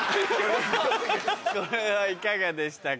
これはいかがでしたか？